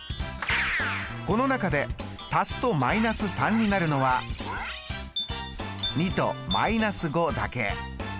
この中で足すと−３になるのは２と−５だけ。